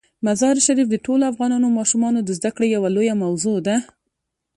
مزارشریف د ټولو افغان ماشومانو د زده کړې یوه لویه موضوع ده.